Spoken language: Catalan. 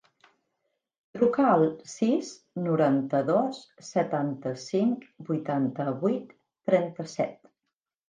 Truca al sis, noranta-dos, setanta-cinc, vuitanta-vuit, trenta-set.